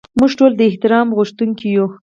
موږ ټول د احترام غوښتونکي یو.